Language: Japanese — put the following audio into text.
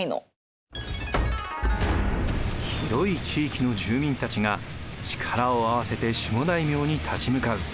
広い地域の住民たちが力を合わせて守護大名に立ち向かう。